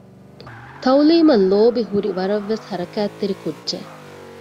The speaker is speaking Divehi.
ތައުލީމަށް ލޯބިހުރި ވަރަށް ވެސް ހަރަކާތްތެރި ކުއްޖެއް